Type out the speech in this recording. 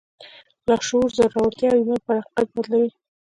لاشعور زړورتيا او ايمان پر حقيقت بدلوي.